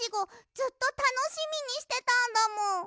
ずっとたのしみにしてたんだもん。